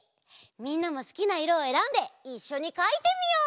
みんなもすきないろをえらんでいっしょにかいてみよう！